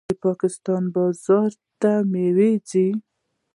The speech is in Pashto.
د پاکستان بازار ته میوې ځي.